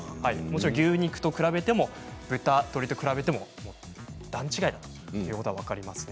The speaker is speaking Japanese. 牛肉と比べても豚肉、鶏肉と比べても段違いということが分かりますね。